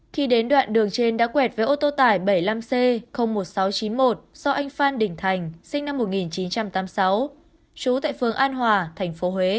khi đến đoạn đường trên đã quẹt với ô tô tải bảy mươi năm c một nghìn sáu trăm chín mươi một do anh phan đình thành sinh năm một nghìn chín trăm tám mươi sáu trú tại phường an hòa tp huế